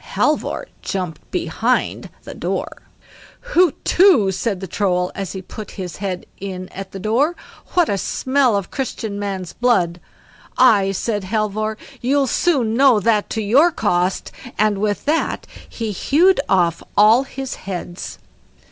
Halvor jumped behind the door. "HUTETU", said the Troll, as he put his head in at the door, "what a smell of Christian man's blood!" "Aye", said Halvor, "you'll soon know that to your cost", and with that he hewed off all his heads.